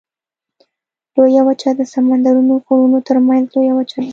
لویه وچه د سمندرونو غرونو ترمنځ لویه وچه ده.